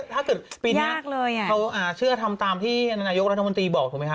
ถ้าเกิดปีนี้เขาเชื่อทำตามที่นายกรัฐมนตรีบอกถูกไหมค